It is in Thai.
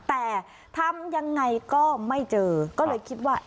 แต่ทำยังไงก็ไม่เจอก็เลยคิดว่า